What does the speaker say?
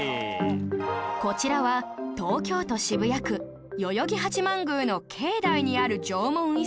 こちらは東京都渋谷区代々木八幡宮の境内にある縄文遺跡